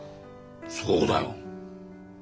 そうだよ。